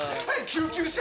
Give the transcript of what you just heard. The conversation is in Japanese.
救急車！